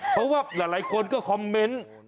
เพราะว่าหลายคนก็คอมเมนต์